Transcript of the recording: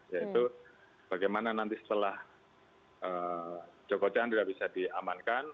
yaitu bagaimana nanti setelah joko chandra bisa diamankan